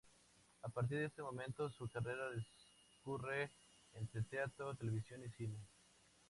A partir de este momento su carrera discurre entre teatro, televisión y cine.